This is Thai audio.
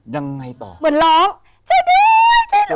ยังไงต่อเหมือนร้องช่วยด้วยช่วยด้วย